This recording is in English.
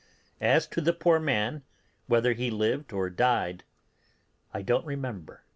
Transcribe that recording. As to the poor man, whether he lived or died I don't remember.